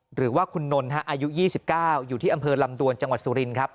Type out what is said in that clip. หรือว่าคุณนนท์อายุ๒๙อยู่ที่อำเภอลำดวนจังหวัดสุรินครับ